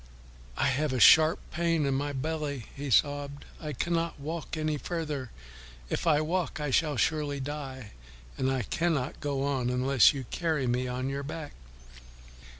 "I have a sharp pain in my belly," he sobbed, "I cannot walk any farther. If I walk I shall surely die, and I cannot go on unless you carry me on your back."